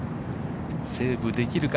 セーブできるか。